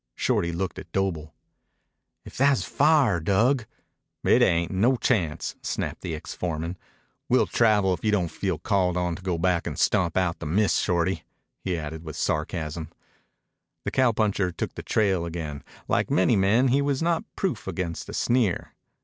Shorty looked at Doble. "If tha's fire, Dug " "It ain't. No chance," snapped the ex foreman. "We'll travel if you don't feel called on to go back an' stomp out the mist, Shorty," he added with sarcasm. The cowpuncher took the trail again. Like many men, he was not proof against a sneer.